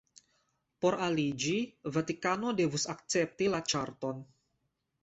Por aliĝi, Vatikano devus akcepti la ĉarton.